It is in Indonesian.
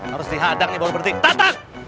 harus dihadang nih baru berhenti tatak